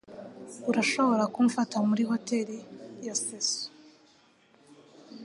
Urashobora kumfata muri Hotel Yasesu.